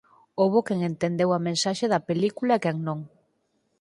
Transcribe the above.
Houbo quen entendeu a mensaxe da película e quen non.